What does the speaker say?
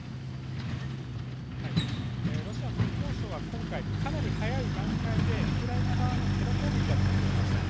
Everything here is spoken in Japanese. ロシア国防省は今回、かなり早い段階でウクライナ側のテロ攻撃だと発表しました。